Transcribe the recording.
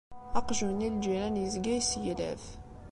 Aqjun-nni n lǧiran yezga yesseglaf.